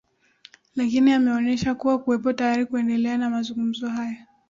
lakini ameonesha kuwa kuwepo tayari kuendelea na mazungumzo hayo